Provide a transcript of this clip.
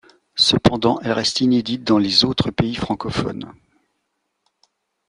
Cependant, elle reste inédite dans les autres pays francophones.